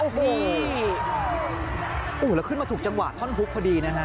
โอ้โหแล้วขึ้นมาถูกจังหวะท่อนฮุกพอดีนะฮะ